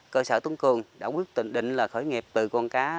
cơ sở tuấn cường đã quyết định là khởi nghiệp từ con cá